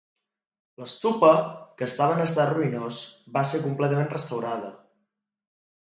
L'stupa, que estava en estat ruïnós, va ser completament restaurada.